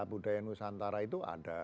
budaya nusantara itu ada